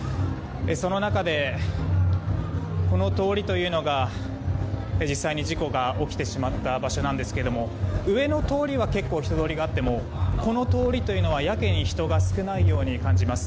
その中で、この通りというのが実際に事故が起きてしまった場所なんですが上の通りは結構人通りはあってもこの通りというのは、やけに人が少ないように感じます。